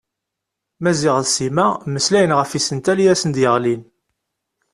Maziɣ d Sima mmeslayen ɣef yisental i asen-d-yeɣlin.